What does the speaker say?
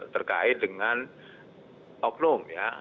terkait dengan oknum ya